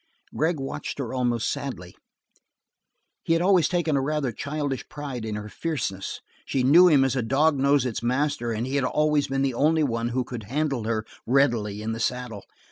Gregg watched her almost sadly. He had always taken a rather childish pride in her fierceness. She knew him as a dog knows its master and he had always been the only one who could handle her readily in the saddle.